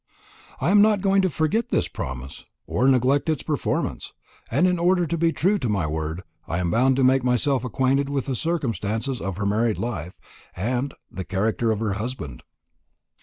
I am not going to forget this promise, or to neglect its performance; and in order to be true to my word, I am bound to make myself acquainted with the circumstances of her married life, and the character of her husband."